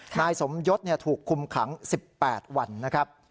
นายสมยศถูกคุมขัง๑๘วันนะครับ